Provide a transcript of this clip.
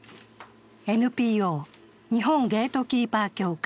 ＮＰＯ日本ゲートキーパー協会